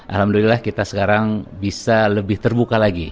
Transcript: alhamdulillah kita sekarang bisa lebih terbuka lagi